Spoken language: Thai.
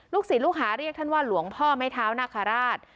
ลูกศิลูกหาเรียกท่านว่าหลวงพ่อไม่ท้าวนาฆราช